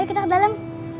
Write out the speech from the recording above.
ayo kita ke dalam